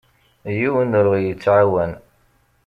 Yiwen ur aɣ-yettɛawan.